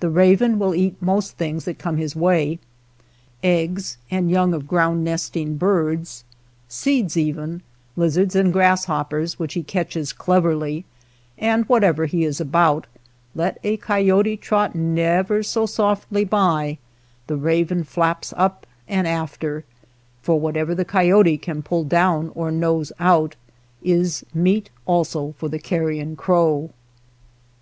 The raven will eat most things that come his way, — eggs and young of ground nesting birds, seeds even, lizards and grasshoppers, which he catches cleverly; and whatever he is about, let a coyote trot never so softly by, the raven flaps up and after; for whatever the coyote can pull down or nose out is meat also for the carrion crow.